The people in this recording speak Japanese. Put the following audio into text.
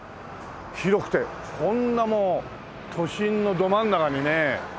広くてこんな都心のど真ん中にね。